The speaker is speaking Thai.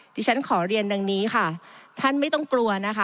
ที่ฉันขอเรียนดังนี้ท่านไม่ต้องกลัว